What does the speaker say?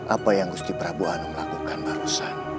apa yang gusti prabu anu melakukan barusan